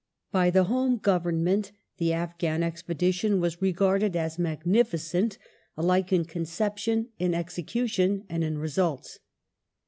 By the Home Government the Afghan expedition was regai'ded as magnificent alike in conception, in execution, and in results.